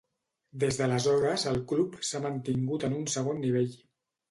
Des d'aleshores el club s'ha mantingut en un segon nivell.